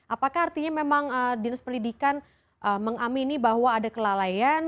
apakah artinya memang dinas pendidikan mengamini bahwa ada kelalaian